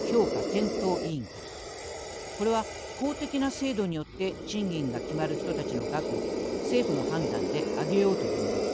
これは公的な制度によって賃金が決まる人たちの額を政府の判断で上げようというものです。